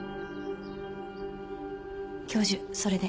教授それで？